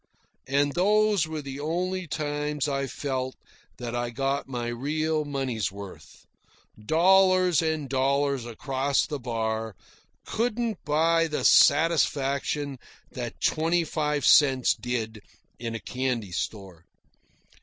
And those were the only times I felt that I got my real money's worth. Dollars and dollars, across the bar, couldn't buy the satisfaction that twenty five cents did in a candy store.